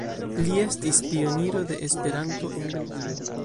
Li estis pioniro de Esperanto en Belgio.